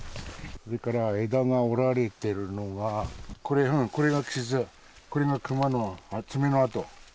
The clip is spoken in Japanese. それから枝が折られているのが、これ、これが傷、これがクマの爪の跡。